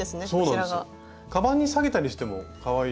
かばんにさげたりしてもかわいいですよね。